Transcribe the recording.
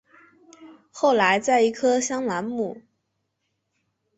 后来在一棵香兰木。